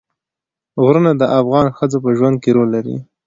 غرونه د افغان ښځو په ژوند کې رول لري.